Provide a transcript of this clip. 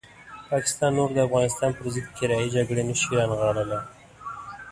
پاکستان نور د افغانستان پرضد کرایي جګړې نه شي رانغاړلی.